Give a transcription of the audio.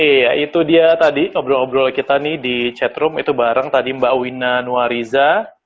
iya itu dia tadi ngobrol ngobrol kita nih di chatroom itu bareng tadi mbak wina nuariza